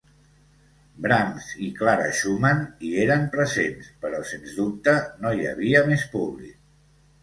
Brahms i Clara Schumann hi eren presents, però sens dubte no hi havia més públic.